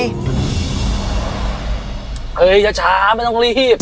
เฮ้ยช้าไม่ต้องรีบ